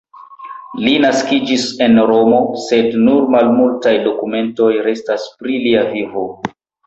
Li naskiĝis en Romo, sed nur malmultaj dokumentoj restas pri lia vivo.